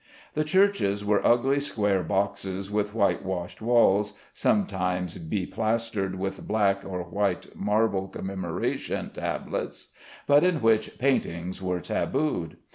The churches were ugly square boxes with whitewashed walls, sometimes be plastered with black or white marble commemoration tablets, but in which paintings were tabooed.